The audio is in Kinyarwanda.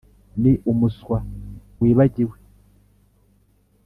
ni umuswa wibagiwe.